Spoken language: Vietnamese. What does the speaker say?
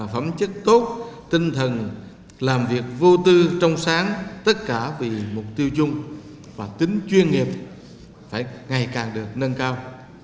phẩm chất tốt tinh thần làm việc vô tư trong sáng tất cả vì mục tiêu chung và tính chuyên nghiệp phải ngày càng được nâng cao